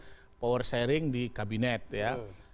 hanya sekedar power sharing di kabinet ya